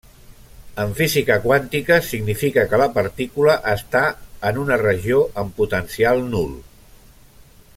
En física quàntica, significa que la partícula està en una regió amb potencial nul.